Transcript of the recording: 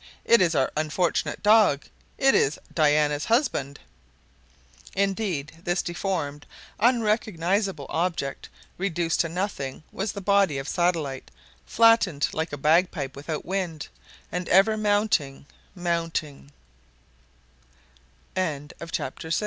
"It is our unfortunate dog! It is Diana's husband!" Indeed, this deformed, unrecognizable object, reduced to nothing, was the body of Satellite, flattened like a bagpipe without wind, and ever